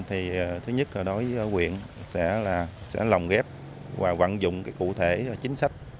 thứ nhất là đối với nguyễn sẽ lòng ghép và vận dụng cụ thể chính sách